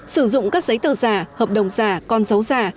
sử dụng các giấy tờ giả hợp đồng giả con dấu giả